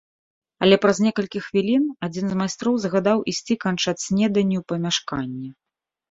Але праз некалькі хвілін адзін з майстроў загадаў ісці канчаць снеданне ў памяшканне.